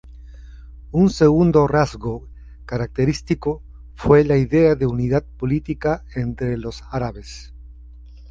Un segundo rasgo característico fue la idea de unidad política entre los árabes.